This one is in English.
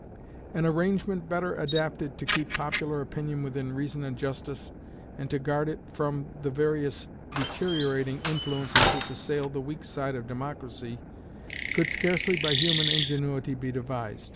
An arrangement better adapted to keep popular opinion within reason and justice, and to guard it from the various deteriorating influences which assail the weak side of democracy, could scarcely by human ingenuity be devised.